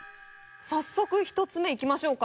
早速１つ目いきましょうか。